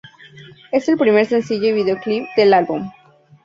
Es el primer sencillo y videoclip del álbum.